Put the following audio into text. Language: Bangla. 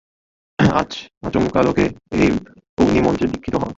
আচণ্ডালকে এই অগ্নিমন্ত্রে দীক্ষিত কর।